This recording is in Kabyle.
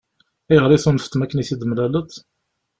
Ayɣer i tunfeḍ makken i t-id-temlaleḍ?